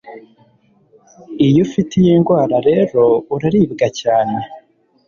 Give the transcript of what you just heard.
Iyo ufite iyi ndwara rero uraribwa cyane